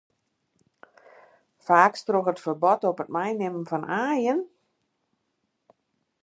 Faaks troch it ferbod op it meinimmen fan aaien?